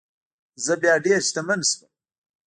زه بیا ډیر شتمن شوم.